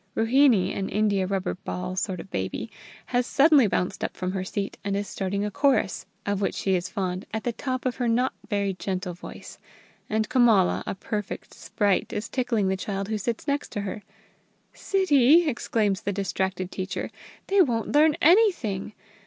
Ruhinie, an India rubber ball sort of baby, has suddenly bounced up from her seat, and is starting a chorus, of which she is fond, at the top of her not very gentle voice; and Komala, a perfect sprite, is tickling the child who sits next to her. "Sittie!" exclaims the distracted teacher, "they won't learn anything!"